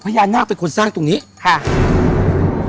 พญานาคเป็นคนสร้างตรงนี้ค่ะ